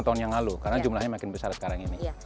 sepuluh tahun yang lalu karena jumlahnya makin besar sekarang ini